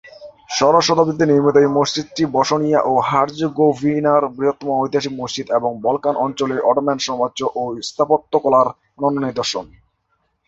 ষোড়শ শতাব্দীতে নির্মিত এই মসজিদটি বসনিয়া ও হার্জেগোভিনার বৃহত্তম ঐতিহাসিক মসজিদ এবং বলকান অঞ্চলে অটোম্যান সাম্রাজ্য ও স্থাপত্যকলার অনন্য নিদর্শন।